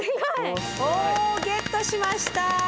おゲットしました。